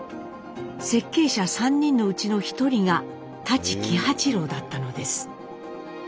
設計者３人のうちの１人が舘喜八郎だったのです。